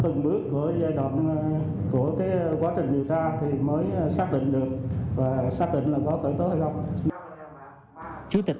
từng bước của giai đoạn của cái quá trình điều tra thì mới xác định được